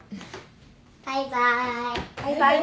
バイバイ。